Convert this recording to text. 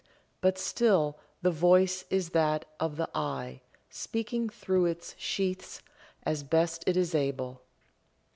But still the voice is that of the "I," speaking through its sheaths as best it is able.